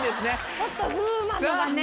ちょっと風磨のがね。ね。